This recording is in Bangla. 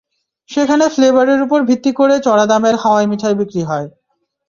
সেখানে ফ্লেভারের ওপর ভিত্তি করে চড়া দামের হাওয়াই মিঠাই বিক্রি হয়।